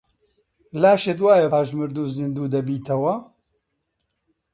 لاشت وایە پاش مردن زیندوو دەبییەوە؟